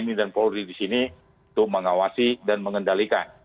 tentu tni dan polri disini untuk mengawasi dan mengendalikan